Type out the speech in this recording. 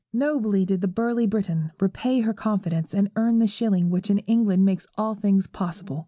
Nobly did the burly Briton repay her confidence and earn the shilling which in England makes all things possible.